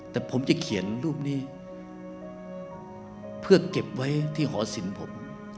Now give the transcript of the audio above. แต่ผมจะเขียนรูปนี้เพื่อเก็บไว้ที่หอสินผม